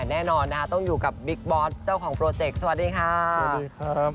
แน่นอนนะคะต้องอยู่กับบิ๊กบอสเจ้าของโปรเจกต์สวัสดีค่ะสวัสดีครับ